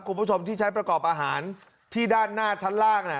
คุณผู้ชมที่ใช้ประกอบอาหารที่ด้านหน้าชั้นล่าง